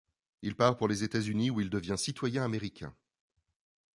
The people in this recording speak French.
Il part pour les États-Unis où il devient citoyen américain.